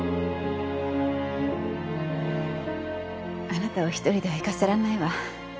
あなたを一人では行かせられないわ。